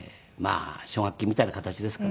あ奨学金みたいな形ですかね。